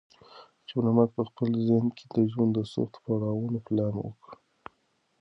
خیر محمد په خپل ذهن کې د ژوند د سختو پړاوونو پلان وکړ.